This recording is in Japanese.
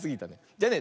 じゃあね